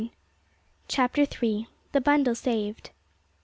CHAPTER III. THE BUNDLE SAVED.